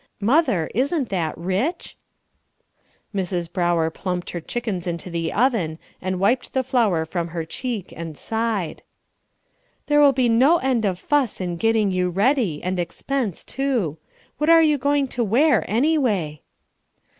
Mother, isn't that rich?" Mrs. Brower plumped her chickens into the oven, and wiped the flour from her cheek and sighed. "There will be no end of fuss in getting you ready, and expense too. What are you going to wear, anyway?"